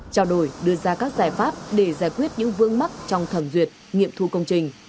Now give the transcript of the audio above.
trao đổi đưa ra các giải pháp để giải quyết những vương mắc trong thẩm duyệt nghiệm thu công trình